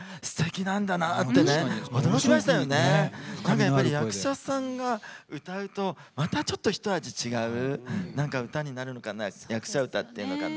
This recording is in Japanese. なんか、やっぱり役者さんが歌うとまた、ちょっと一味違うなんか歌になるのかな役者歌になるのかな。